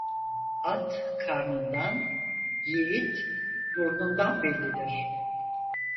At karnından yiğit burnundan bellidir.